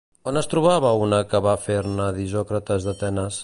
On es trobava una que va fer-ne d'Isòcrates d'Atenes?